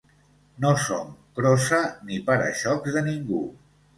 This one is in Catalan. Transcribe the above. No som crossa ni para-xocs de ningú